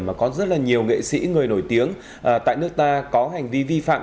mà có rất là nhiều nghệ sĩ người nổi tiếng tại nước ta có hành vi vi phạm